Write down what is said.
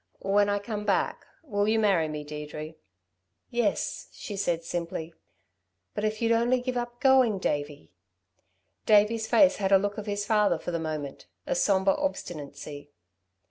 When I come back will you marry me, Deirdre?" "Yes," she said simply. "But if you'd only give up going, Davey!" Davey's face had a look of his father for the moment, a sombre obstinacy.